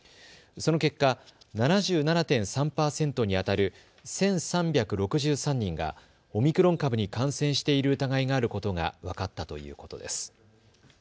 その結果７７．３％にあたる１３６３人がオミクロン株に感染している疑いがあることが分かったということです。